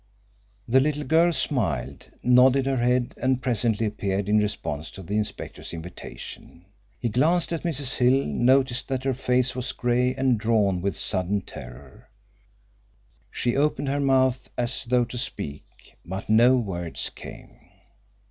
The little girl smiled, nodded her head, and presently appeared in response to the inspector's invitation. He glanced at Mrs. Hill, noticed that her face was grey and drawn with sudden terror. She opened her mouth as though to speak, but no words came.